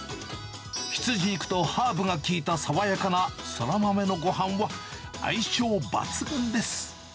羊肉とハーブが効いた爽やかなそら豆のごはんは、相性抜群です。